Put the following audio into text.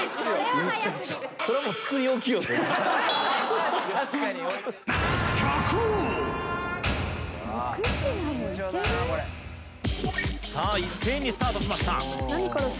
めちゃくちゃさあ一斉にスタートしました